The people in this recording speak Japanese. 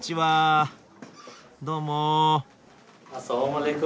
どうも。